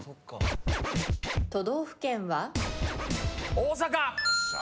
大阪！